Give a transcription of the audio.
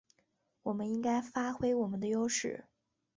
我们应该发挥我们的优势